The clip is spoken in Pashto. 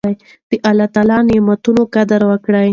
د الله نعمتونو قدر وکړئ.